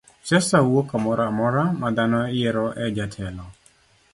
Siasa wuok kamoro amora ma dhano yiero e jotelo.